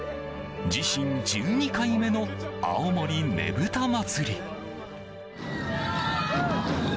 自身１２回目の青森ねぶた祭。